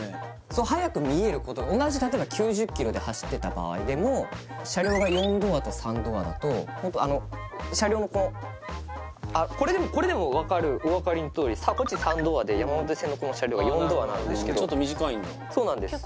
そう速く見えること同じ例えば９０キロで走ってた場合でも車両が４ドアと３ドアだとホント車両のこのこれでもこれでも分かるお分かりのとおりこっち３ドアで山手線のこの車両は４ドアなんですけどちょっと短いんだそうなんです